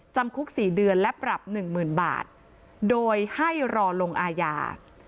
จำคุก๔เดือนและปรับ๑๐๐๐บาทโดยให้รอลงอาญา